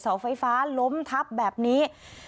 เสาไฟฟ้าล้มทับแบบนี้